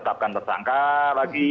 tetapkan tersangka lagi